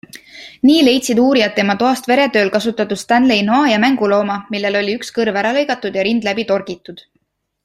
Nii leidsid uurijad tema toast veretööl kasutatud Stanley noa ja mängulooma, millel oli üks kõrv ära lõigatud ja rind läbi torgitud.